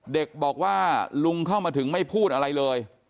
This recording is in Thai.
เด็กบอกว่าลุงเข้ามาถึงไม่พูดอะไรเลย